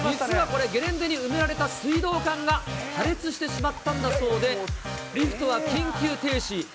実はこれ、ゲレンデに埋められた水道管が破裂してしまったんだそうで、リフトは緊急停止。